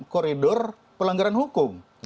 koridor pelanggaran hukum